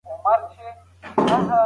هڅه شرط ده او نتیجه د الله په لاس کې